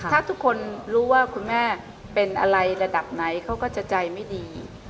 ถ้าทุกคนรู้ว่าคุณแม่เป็นอะไรระดับไหนเขาก็จะใจไม่ดี